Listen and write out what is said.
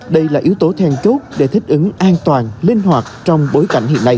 đây là yếu tố thèn chốt để thích ứng an toàn linh hoạt trong bối cảnh hiện nay